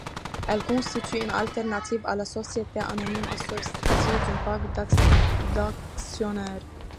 Elle constitue une alternative à la société anonyme assortie d'un pacte d'actionnaires.